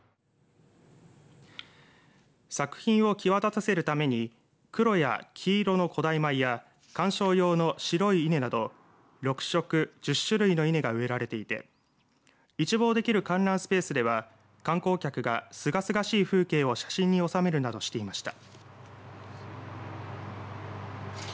作品を際立たせるために黒や黄色の古代米や観賞用の白い稲など６色１０種類の稲が植えられていて一望できる観覧スペースでは観光客がすがすがしい風景を写真に収めるなどしていました。